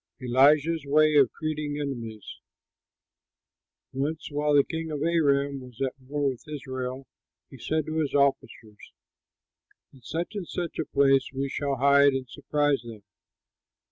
ELISHA'S WAY OF TREATING ENEMIES Once while the king of Aram was at war with Israel, he said to his officers, "In such and such a place we shall hide and surprise them."